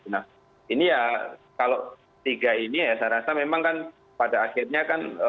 nah ini ya kalau tiga ini ya saya rasa memang kan pada akhirnya kan